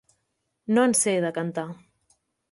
No en sé, de cantar.